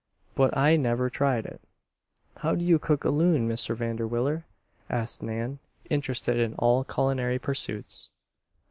But I never tried it." "How do you cook a loon, Mr. Vanderwiller?" asked Nan, interested in all culinary pursuits.